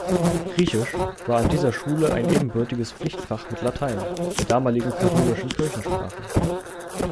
Griechisch war an dieser Schule ein ebenbürtiges Pflichtfach mit Latein, der damaligen katholischen Kirchensprache.